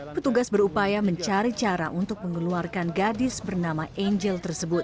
petugas berupaya mencari cara untuk mengeluarkan gadis bernama angel tersebut